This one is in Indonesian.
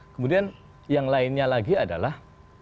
kemudian yang lainnya lagi adalah